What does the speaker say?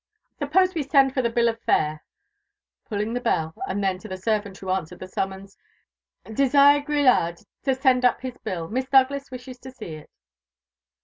Suppose we send for the bill of fare," pulling the bell; and then to the servant, who answered the summons, "Desire Grillade to send up his bill Miss Douglas wishes to see it."